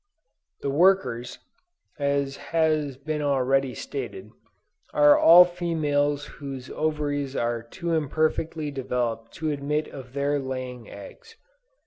The workers, (as has been already stated,) are all females whose ovaries are too imperfectly developed to admit of their laying eggs.